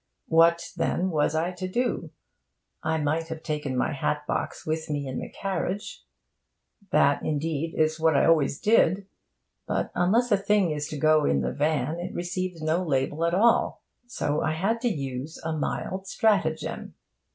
What, then, was I to do? I might have taken my hat box with me in the carriage? That, indeed, is what I always did. But, unless a thing is to go in the van, it receives no label at all. So I had to use a mild stratagem.